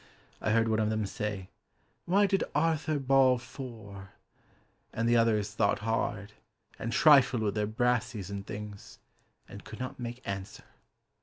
I heard one of them say "Why did Arthur Bawl Fore?" And the others thought hard, And trifled with their brassies and things, And could not make answer.